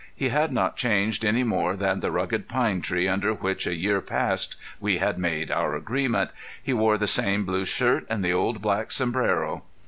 He had not changed any more than the rugged pine tree under which a year past we had made our agreement. He wore the same blue shirt and the old black sombrero.